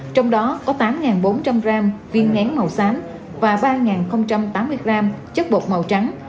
có tám bốn trăm linh gram viên nén màu xám và ba tám mươi gram chất bột màu trắng